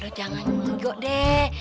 lo jangan nunggu deh